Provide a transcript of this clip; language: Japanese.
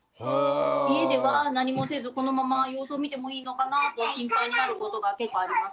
家では何もせずこのまま様子を見てもいいのかなって心配になることが結構あります。